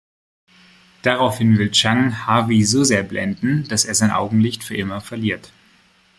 Daraufhin will Chang Harvey so sehr blenden, dass er sein Augenlicht für immer verliert.